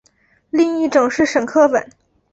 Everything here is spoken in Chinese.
另一种是沈刻本。